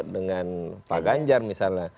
dengan pak ganjar misalnya